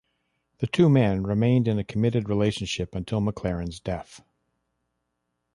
The two men remained in a committed relationship until McLaren's death.